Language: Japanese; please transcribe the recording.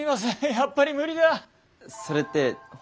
やっぱり無理だ！